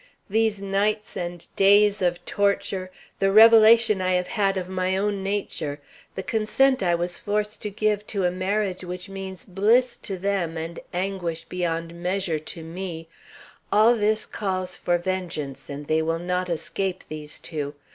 These nights and days of torture the revelation I have had of my own nature the consent I was forced to give to a marriage which means bliss to them and anguish beyond measure to me all this calls for vengeance, and they will not escape, these two.